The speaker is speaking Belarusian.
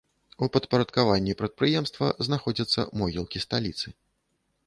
У падпарадкаванні прадпрыемства знаходзяцца могілкі сталіцы.